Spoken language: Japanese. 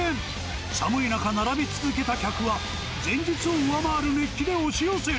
寒い中、並び続けた客は、前日を上回る熱気で押し寄せる。